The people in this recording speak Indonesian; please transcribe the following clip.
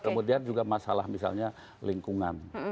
kemudian juga masalah misalnya lingkungan